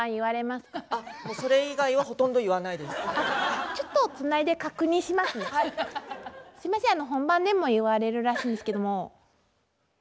すいません本番でも言われるらしいんですけども。